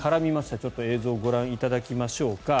ちょっと映像をご覧いただきましょうか。